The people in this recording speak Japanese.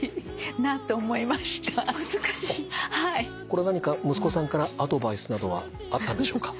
これは何か息子さんからアドバイスなどはあったんでしょうか？